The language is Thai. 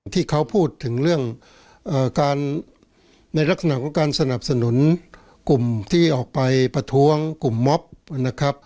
ที่เขาพูดถึงเรื่องการในลักษณะของการสนับสนุนกลุ่มที่ออกไปประท้วงกลุ่มมอบนะครับ